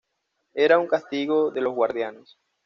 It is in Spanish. Era un castigo de los guardianes.